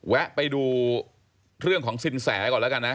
แวะไปดูเรื่องของสินแสก่อนแล้วกันนะ